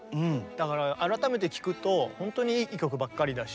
だから改めて聴くと本当にいい曲ばっかりだし。